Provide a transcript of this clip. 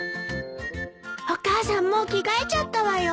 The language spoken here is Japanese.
お母さんもう着替えちゃったわよ。